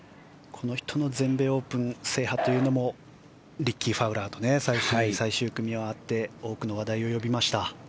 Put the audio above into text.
この人の全米オープン制覇もリッキー・ファウラーと最終日、最終組で回って多くの話題を呼びました。